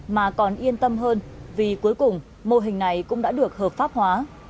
mà còn yên tâm hơn vì cuối cùng mô hình này cũng đã được hợp pháp hóa